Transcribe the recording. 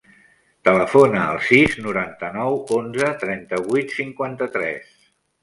Telefona al sis, noranta-nou, onze, trenta-vuit, cinquanta-tres.